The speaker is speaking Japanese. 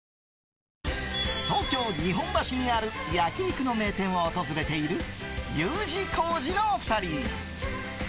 東京・日本橋にある焼き肉の名店を訪れているＵ字工事の２人。